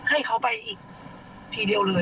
ให้เขาไปอีกทีเดียวเลย